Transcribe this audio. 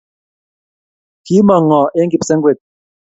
Kimong` ng'o eng' kipsengwet?